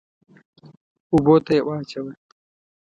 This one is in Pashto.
اوبو ته يې واچوه.